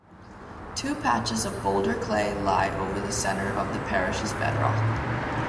Two patches of boulder clay lie over the centre of the parish's bedrock.